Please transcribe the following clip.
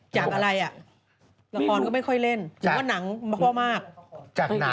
จากอะไรอ่ะละครก็ไม่ค่อยเล่นหรือว่าหนังพ่อมากจากหนัง